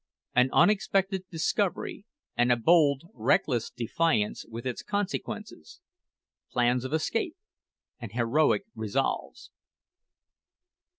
AN UNEXPECTED DISCOVERY, AND A BOLD, RECKLESS DEFIANCE, WITH ITS CONSEQUENCES PLANS OF ESCAPE, AND HEROIC RESOLVES.